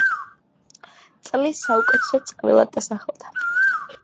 წლის საუკეთესო წყვილად დაასახელა.